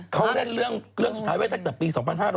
เขาเล่นเรื่องสุดท้ายไว้ตั้งแต่ปี๒๕๕๙